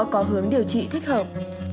có hướng điều trị thích hợp